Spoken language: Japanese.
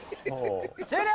終了！